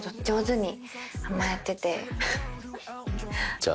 じゃあ。